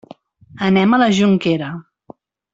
Anem a la Jonquera.